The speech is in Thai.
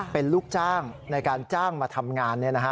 เป็นลูกจ้างในการจ้างมาทำงาน